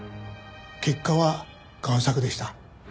結果は贋作でした。